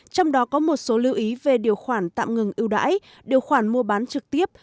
trong đó có một số lưu ý về điều khoản tạm ngừng ưu đãi điều khoản mua bán trực tiếp